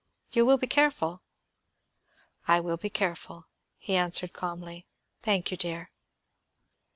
You will be careful?" "I will be careful," he answered calmly. "Thank you, dear."